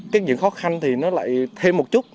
các những khó khăn thì nó lại thêm một chút